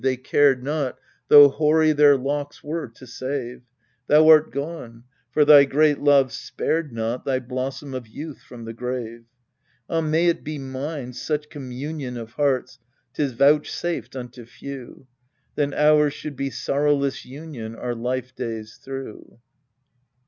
they cared not, Though hoary their locks were, to save ! Thou art gone, for thy great love spared not Thy blossom of youth from the grave. Ah, may it be mine, such communion Of hearts ! 'tis vouchsafed unto few : Then ours should be sorrowless union Our life days through.